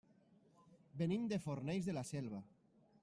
Venim de Fornells de la Selva.